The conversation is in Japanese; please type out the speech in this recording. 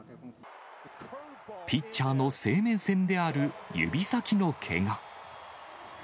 ピッチャーの生命線である、指先のけが。